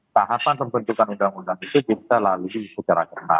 tahapan pembentukan undang undang itu bisa lalui